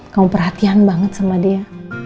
kamu perhatian banget sama dia